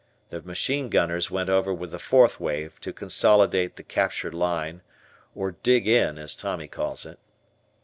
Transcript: The machine gunners went over with the fourth wave to consolidate the captured line or "dig in" as Tommy calls it.